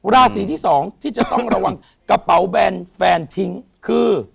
ราศีที่สองที่จะต้องระวังกระเป๋าแบนแฟนทิ้งคือ